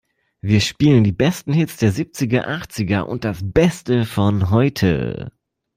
Wir spielen die besten Hits der Siebziger, Achtziger und das Beste von heute!